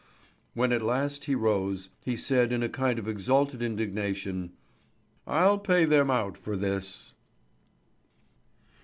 When at last he rose, he said in a kind of exalted indignation: "I'll pay them out for this!"